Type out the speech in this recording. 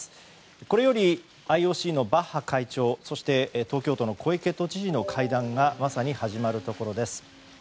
これよりＩＯＣのバッハ会長そして東京都の小池都知事の会談がまさに始まるところです。